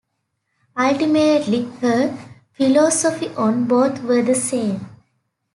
Ultimately, her philosophy on both were the same.